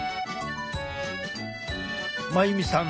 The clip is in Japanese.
真由美さん